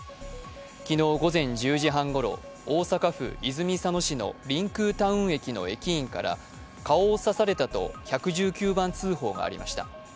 昨日午前１０時半ごろ、大阪府泉佐野市のりんくうタウン駅の駅員から顔を刺されたと１１９番通報がありました。